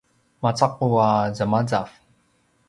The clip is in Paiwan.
macaqu a zemazav